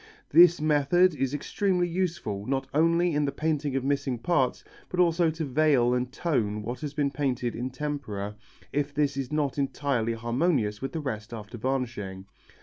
This method is extremely useful not only in the painting of missing parts but also to veil and tone what has been painted in tempera if this is not entirely harmonious with the rest after varnishing.